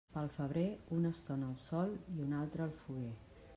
Pel febrer, una estona al sol i una altra al foguer.